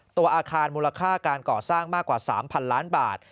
ตัวอาคารมูลค่าการก่อสร้างมากกว่า๓๐๐๐ล้านบาท